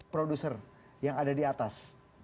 produser yang ada di atas